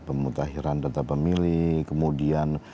pemutahiran data pemilih kemudian